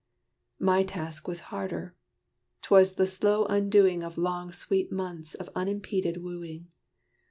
My task was harder. 'T was the slow undoing Of long sweet months of unimpeded wooing.